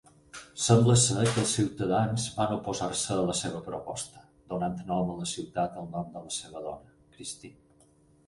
Sembla ser que els ciutadans van oposar-se a la seva proposta, donant nom a la ciutat el nom de la seva dona, Kristine.